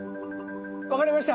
分かりました。